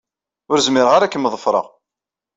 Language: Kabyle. Ur zmireɣ ara ad kem-ḍefreɣ.